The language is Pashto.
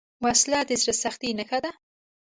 وسله د زړه سختۍ نښه ده